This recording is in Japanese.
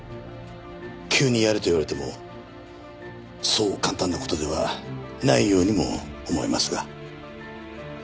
急にやれと言われてもそう簡単な事ではないようにも思えますが。